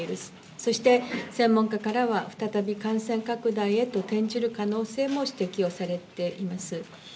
そして、専門家からは再び感染拡大へと転じる可能性も指摘されています。